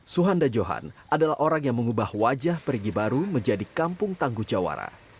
suhanda johan adalah orang yang mengubah wajah perigi baru menjadi kampung tangguh jawara